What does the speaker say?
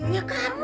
hah nikah sama aku